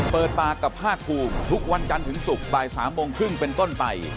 เปิดปากกับภาคภูมิทุกวันจันทร์ถึงศุกร์บ่าย๓โมงครึ่งเป็นต้นไป